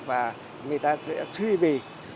và người ta sẽ suy bì